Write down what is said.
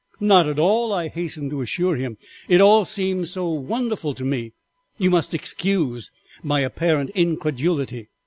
"'Not at all,' I hastened to assure him. 'It all seems so wonderful to me, you must excuse my apparent incredulity.'